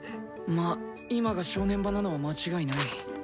まあ今が正念場なのは間違いない。